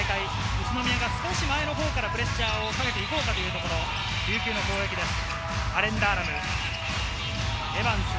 宇都宮が少し前のほうからプレッシャーをかけていこうというところ、琉球の攻撃です。